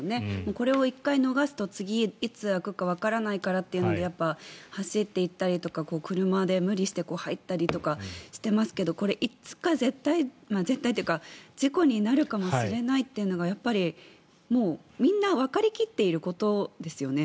これを１回逃すと次にいつ開くかわからないからというので走って行ったりとか車で無理して入ったりとかしていますがこれ、いつか絶対に絶対というか事故になるかもしれないというのがもうみんなわかり切っていることですよね。